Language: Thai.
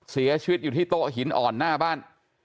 เสียชีวิตอยู่ที่โต๊ะหินอ่อนหน้าบ้าน